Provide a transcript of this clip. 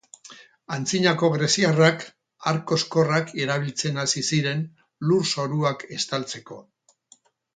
Antzinako Greziarrak harkoskorrak erabiltzen hasi ziren lurzoruak estaltzeko.